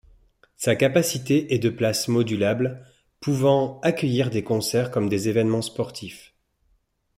Sa capacité est de places modulables pouvant accueillir des concerts comme des évènements sportifs.